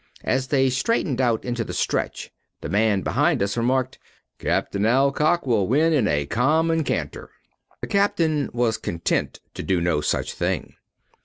As they straightened out into the stretch the man behind us remarked, "Captain Alcock will win in a common canter." The Captain was content to do no such thing.